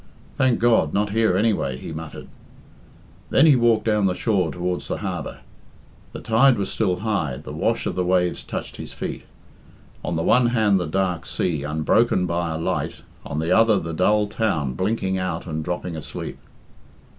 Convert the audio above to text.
"Thank God, not here, anyway!" he muttered. Then he walked down the shore towards the harbour. The tide was still high, the wash of the waves touched his feet; on the one hand the dark sea, unbroken by a light, on the other the dull town blinking out and dropping asleep.